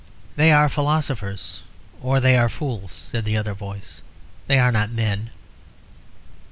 "They are philosophers or they are fools," said the other voice. "They are not men.